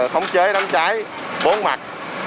thống chế đám cháy bốn mặt